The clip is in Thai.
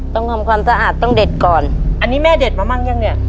ต้องทำความสะอาดต้องเด็ดก่อนอันนี้แม่เด็ดมามั่งยังเนี่ย